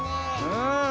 うん。